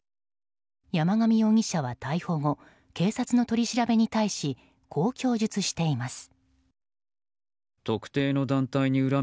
山上容疑者は逮捕後警察の取り調べに対しこう供述しています。